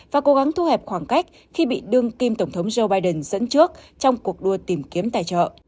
và cố gắng thu hẹp khoảng cách khi bị đương kim tổng thống joe biden dẫn trước trong cuộc đua tìm kiếm tài trợ